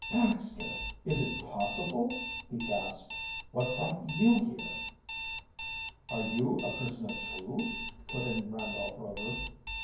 "Baxter! Is it possible!" he gasped. "What brought you here?" "Are you a prisoner, too?" put in Randolph Rover.